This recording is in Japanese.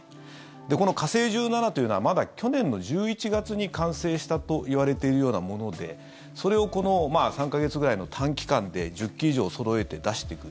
この火星１７というのはまだ去年の１１月に完成したといわれているようなものでそれを３か月ぐらいの短期間で１０基以上そろえて出してくる。